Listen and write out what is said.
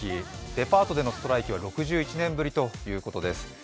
デパートでのストライキは６４年ぶりということです。